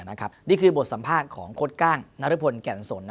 นี่คือบทสัมภาษณ์ของโค้ดก้างนรพลแก่นสน